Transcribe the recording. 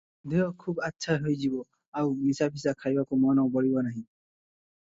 ଦେହ ଖୁବ୍ ଆଚ୍ଛା ହୋଇଯିବ, ଆଉ ନିଶାଫିସା ଖାଇବାକୁ ମନ ବଳିବ ନାହିଁ ।